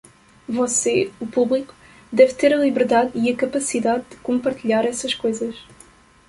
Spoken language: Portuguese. Você, o público, deve ter a liberdade e a capacidade de compartilhar essas coisas.